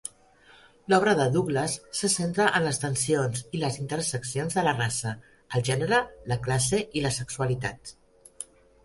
L'obra de Douglas se centra en les tensions i les interseccions de la raça, el gènere, la classe i la sexualitat.